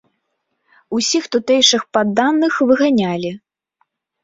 Усіх тутэйшых падданых выганялі.